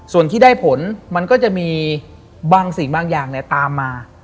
ส่วนที่ได้ผลมันก็จะมีบางสิ่งบางอย่างตามมา